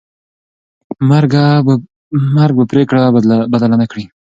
مرګ به پرېکړه بدله نه کړي.